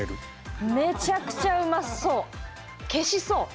めちゃくちゃうまそう。